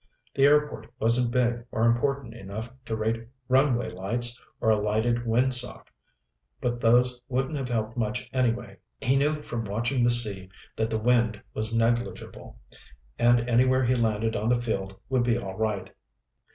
The airport wasn't big or important enough to rate runway lights or a lighted wind sock, but those wouldn't have helped much anyway. He knew from watching the sea that the wind was negligible. And anywhere he landed on the field would be all right.